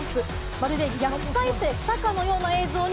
まるで逆再生したかのような映像に。